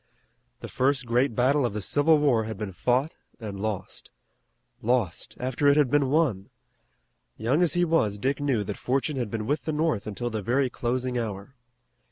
The first great battle of the Civil War had been fought and lost. Lost, after it had been won! Young as he was Dick knew that fortune had been with the North until the very closing hour.